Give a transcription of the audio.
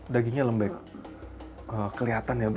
dagingnya lembek kelihatan ya